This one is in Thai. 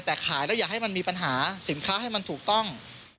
แต่ขายแล้วอย่าให้มันมีปัญหาสินค้าให้มันถูกต้อง